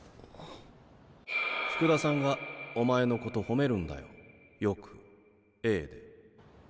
福田さんがお前のこと褒めるんだよよくＡで。